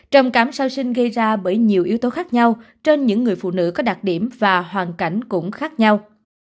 trầm cảm sau sinh gây ra bởi nhiều yếu tố khác nhau trên những người phụ nữ có đặc điểm và hoàn cảnh cũng khác nhau